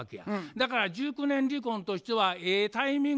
だから熟年離婚としてはええタイミング